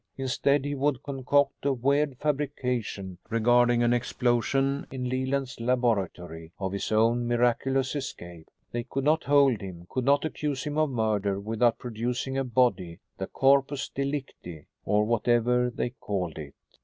Instead, he would concoct a weird fabrication regarding an explosion in Leland's laboratory, of his own miraculous escape. They could not hold him, could not accuse him of murder without producing a body the corpus delicti, or whatever they called it.